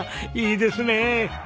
いいですねえ。